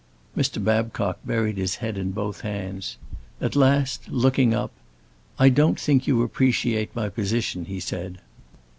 Mr. Babcock buried his head in both hands. At last looking up, "I don't think you appreciate my position," he said.